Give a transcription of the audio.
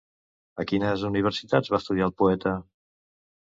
A quines universitats va estudiar el poeta?